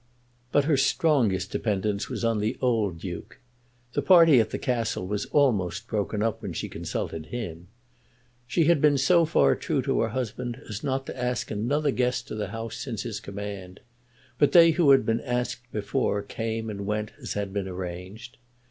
But her strongest dependence was on the old Duke. The party at the Castle was almost broken up when she consulted him. She had been so far true to her husband as not to ask another guest to the house since his command; but they who had been asked before came and went as had been arranged.